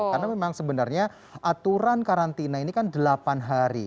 karena memang sebenarnya aturan karantina ini kan delapan hari